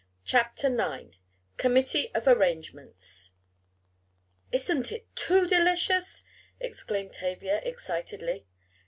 CHAPTER IX COMMITTEE OF ARRANGEMENTS "Isn't it too delicious," exclaimed Tavia, excitedly.